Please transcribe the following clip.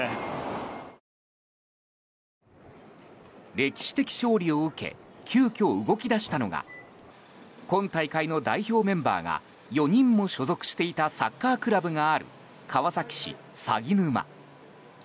歴史的勝利を受け急きょ、動き出したのが今大会の代表メンバーが４人も所属していたサッカークラブがある川崎市鷺沼。